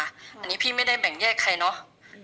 อันนี้พี่ไม่ได้แบ่งแยกใครเนาะ